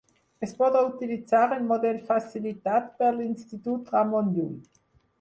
Es podrà utilitzar el model facilitat per l'Institut Ramon Llull.